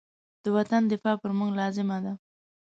د وطن دفاع پر موږ لازمه ده.